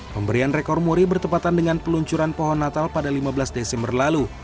pemberian rekor muri bertepatan dengan peluncuran pohon natal pada lima belas desember lalu